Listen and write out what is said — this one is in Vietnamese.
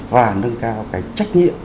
và nâng cao cái trách nhiệm